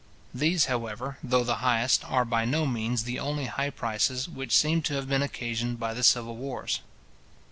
These, however, though the highest, are by no means the only high prices which seem to have been occasioned by the civil wars.